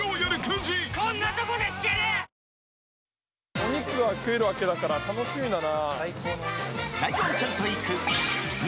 お肉が食えるわけだから楽しみだな。